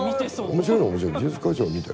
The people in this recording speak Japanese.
面白いのは面白い。